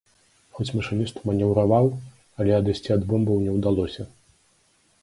Хоць машыніст манеўраваў, але адысці ад бомбаў не ўдалося.